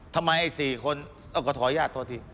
ทำไมไอ้๔คนเอาก็ถอยยาดโทษที